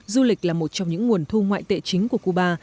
du lịch là một trong những nguồn thu ngoại tệ chính của cuba